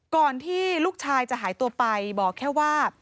ก่อนที่ลูกชายจะหายตัวไปบอกแค่ว่า